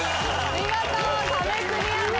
見事壁クリアです。